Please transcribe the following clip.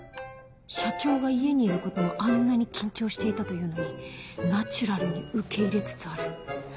社長が家にいることもあんなに緊張していたというのにナチュラルに受け入れつつある